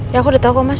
ya aku udah tahu kok mas